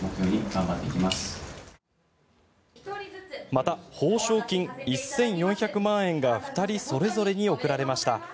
また報奨金１４００万円が２人それぞれに贈られました。